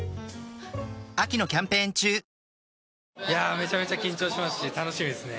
めちゃめちゃ緊張しますし楽しみですね。